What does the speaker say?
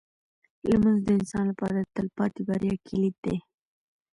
لمونځ د انسان لپاره د تلپاتې بریا کلید دی.